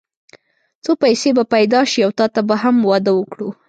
څو پيسې به پيدا شي او تاته به هم واده وکړو.